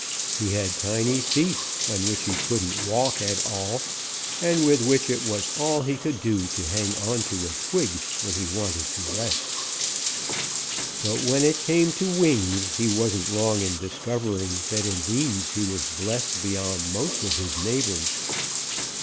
He had tiny feet on which he couldn't walk at all, and with which it was all he could do to hang on to a twig when he wanted to rest. But when it came to wings, he wasn't long in discovering that in these he was blessed beyond most of his neighbors.